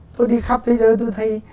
tôi đi khắp thế giới tôi thấy